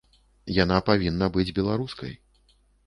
Яна павінна быць беларускай.